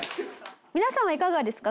皆さんはいかがですか？